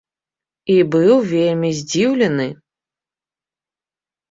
І быў вельмі здзіўлены!